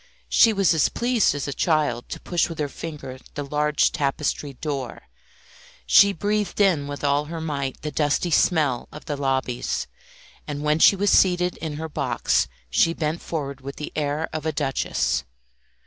She was as pleased as a child to push with her finger the large tapestried door. She breathed in with all her might the dusty smell of the lobbies, and when she was seated in her box she bent forward with the air of a duchess.